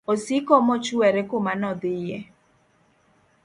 osiko mochwere kuma nodhie.